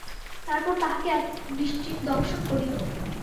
তারপর তাহাকে এক বৃশ্চিক দংশন করিল।